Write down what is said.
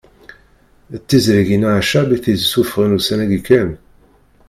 D tiẓrigin Ɛeccab i t-id-isuffɣen ussan-agi kan